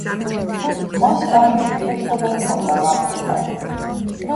მას კარგი ურთიერთობა ჰქონდა მამასთან.